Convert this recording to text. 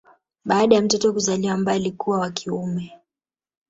Baada ya mtoto kuzaliwa ambaye alikuwa wa kiume